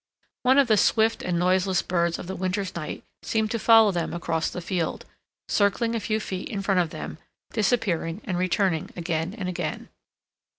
One of the swift and noiseless birds of the winter's night seemed to follow them across the field, circling a few feet in front of them, disappearing and returning again and again.